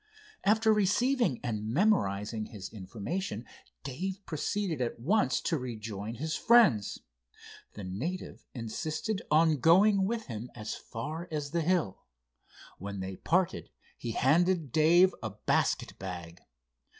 After receiving and memorizing his information, Dave proceeded at once to rejoin his friends. The native insisted on going with him as far as the hill. When they parted he handed Dave a basket bag.